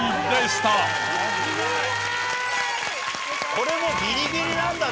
これもギリギリなんだでも。